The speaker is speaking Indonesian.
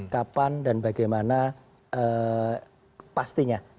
kapan dan bagaimana pastinya